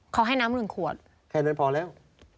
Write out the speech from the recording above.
เขาให้น้ำหนึ่งขวดแค่นั้นพอแล้ว